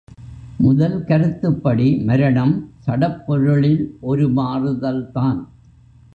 முதல் கருத்துப்படி மரணம் சடப்பொருளில் ஒரு மாறுதல் தான்.